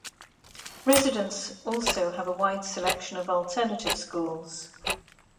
Residents also have a wide selection of alternative schools.